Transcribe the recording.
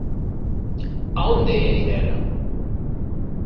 A onde ía ir ela?